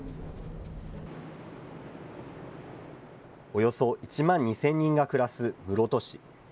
およそ１万２０００人が暮らす室戸市。